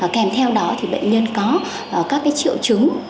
kèm theo đó thì bệnh nhân có các triệu chứng